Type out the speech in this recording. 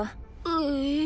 ええ。